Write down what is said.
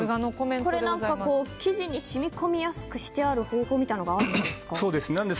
生地に染み込みやすくする方法みたいなのがあるんですか？